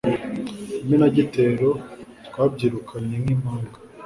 imenagitero twabyirukanye nk'impanga